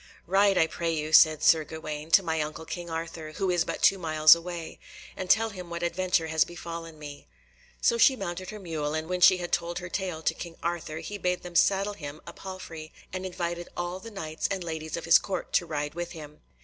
"Ride, I pray you," said Sir Gawaine, "to my uncle King Arthur, who is but two miles away, and tell him what adventure has befallen me." So she mounted her mule, and when she had told her tale to King Arthur, he bade them saddle him a palfrey and invited all the Knights and ladies of his Court to ride with him.